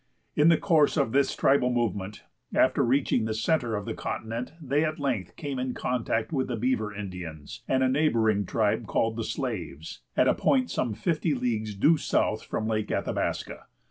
In the course of this tribal movement, after reaching the centre of the continent, they at length came in contact with the Beaver Indians, and a neighboring tribe called the Slaves, at a point some fifty leagues due south from Lake Athabasca.